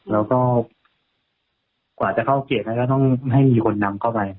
แล้วก็กว่าจะเข้าเขตนั้นก็ต้องให้มีคนนำเข้าไป